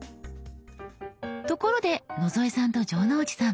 ところで野添さんと城之内さん